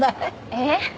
えっ？